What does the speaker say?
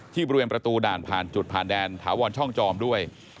บริเวณประตูด่านผ่านจุดผ่านแดนถาวรช่องจอมด้วย